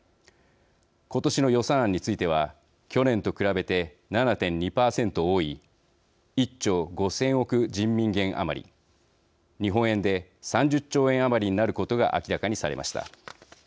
今年の予算案については去年と比べて７．２％多い１兆５０００億人民元余り日本円で３０兆円余りになることが明らかにされました。